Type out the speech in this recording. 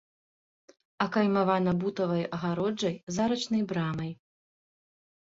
Акаймавана бутавай агароджай з арачнай брамай.